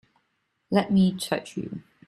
Let me touch you!